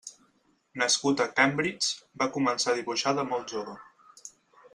Nascut a Cambridge, va començar a dibuixar de molt jove.